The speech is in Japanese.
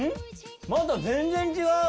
また全然違う！